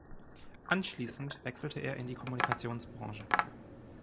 Anschließend wechselte er in die Kommunikationsbranche.